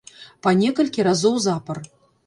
Па некалькі разоў запар.